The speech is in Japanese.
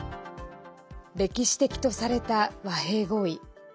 歴史的とされた和平合意。